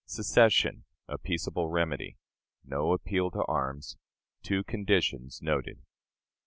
Secession a Peaceable Remedy. No Appeal to Arms. Two Conditions noted.